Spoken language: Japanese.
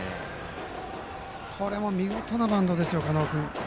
これも見事なバントですよ狩野君。